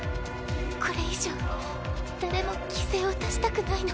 これ以上誰も犠牲を出したくないの。